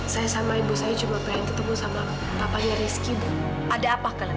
saya sama ibu saya cuma pengen pastiin